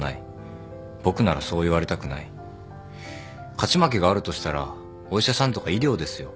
勝ち負けがあるとしたらお医者さんとか医療ですよ。